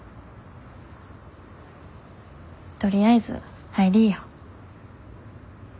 とりあえず入りぃよ。